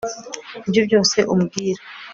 Nibyo byose umbwira